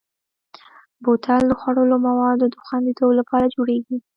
بوتل د خوړلو موادو د خوندیتوب لپاره جوړېږي.